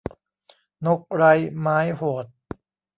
นกไร้ไม้โหด